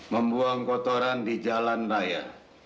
membuang kotoran di jalan raya